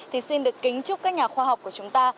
thì xin được kính chúc các nhà khoa học của chúng ta